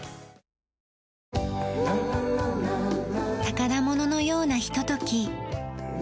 宝物のようなひととき。